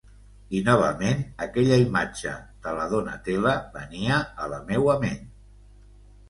I novament aquella imatge de la Donatella venia a la meua ment.